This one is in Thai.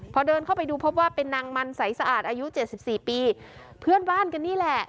พอเดินเข้าไปดูพบว่าเป็นนางมันใสสะอาดอายุเจ็ดสิบสี่ปีเพื่อนบ้านกันนี่แหละ